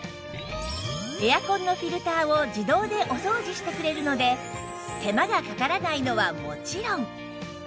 エアコンのフィルターを自動でお掃除してくれるので手間がかからないのはもちろん